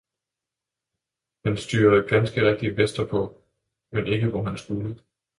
Han styrede ganske rigtigt vesterpå, men ikke hvor han skulle.